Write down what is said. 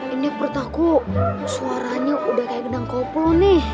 ini perut aku suaranya udah kayak gedang koplo nih